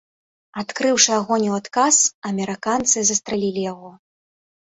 Адкрыўшы агонь у адказ, амерыканцы застрэлілі яго.